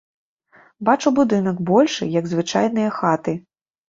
Бачу будынак большы, як звычайныя хаты.